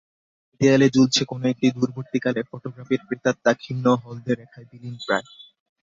দেয়ালে ঝুলছে কোনো একটি দূরবর্তী কালের ফোটোগ্রাফের প্রেতাত্মা, ক্ষীণ হলদে রেখায় বিলীনপ্রায়।